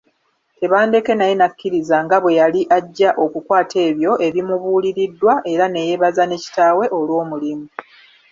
Tebandeke naye nakkiriza nga bwe yali ajja okukwata ebyo ebimubuuliriddwa era neyeebaza ne kitaawe olw’omulimu.